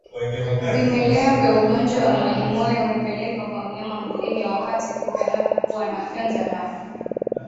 Vimelea vya ugonjwa wa majimoyo hupelekwa kwa mnyama mwingine wakati kupe anapokuwa anafyonza damu